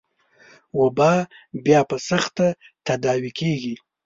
وبا بيا په سخته تداوي کېږي.